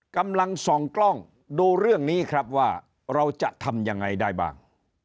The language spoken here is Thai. กำลังส่องกล้องดูเรื่องนี้ครับว่าเราจะทำยังไงได้บ้าง